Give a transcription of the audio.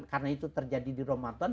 karena itu terjadi di ramadan